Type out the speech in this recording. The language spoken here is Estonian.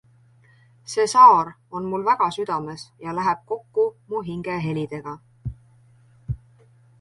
See saar on mul väga südames ja läheb kokku mu hingehelidega.